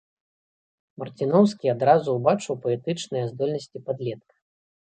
Марціноўскі адразу ўбачыў паэтычныя здольнасці падлетка.